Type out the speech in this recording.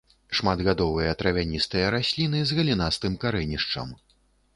Шматгадовыя травяністыя расліны з галінастым карэнішчам.